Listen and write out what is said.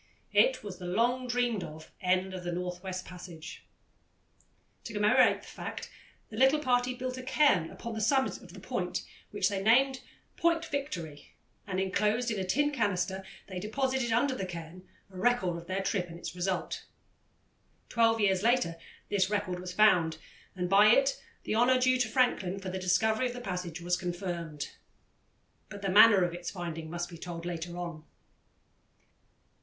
It was the long dreamed of end of the North West Passage. To commemorate the fact the little party built a cairn upon the summit of the point, which they named Point Victory, and enclosed in a tin canister they deposited, under the cairn, a record of their trip and its result. Twelve years later this record was found, and by it the honour due to Franklin for the discovery of the passage was confirmed. But the manner of its finding must be told later on.